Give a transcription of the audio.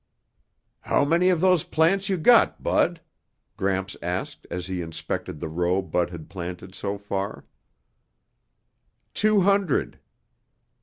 "How many of those plants you got, Bud?" Gramps asked as he inspected the row Bud had planted so far. "Two hundred."